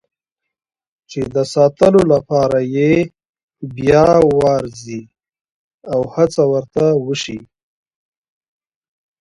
چې د ساتلو لپاره یې بیا وارزي او هڅه ورته وشي.